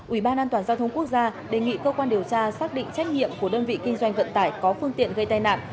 ủy ban an toàn giao thông quốc gia đề nghị cơ quan điều tra xác định trách nhiệm của đơn vị kinh doanh vận tải có phương tiện gây tai nạn